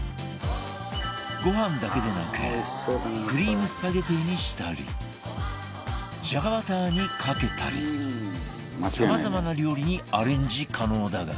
ご飯だけでなくクリームスパゲッティにしたりじゃがバターにかけたりさまざまな料理にアレンジ可能だが